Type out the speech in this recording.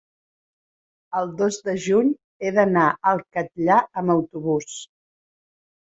el dos de juny he d'anar al Catllar amb autobús.